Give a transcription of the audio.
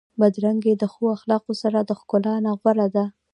بدرنګي د ښو اخلاقو سره د ښکلا نه غوره ده.